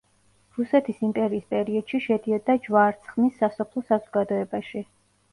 რუსეთის იმპერიის პერიოდში შედიოდა ჯვარცხმის სასოფლო საზოგადოებაში.